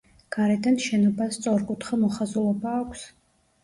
გარედან შენობას სწორკუთხა მოხაზულობა აქვს.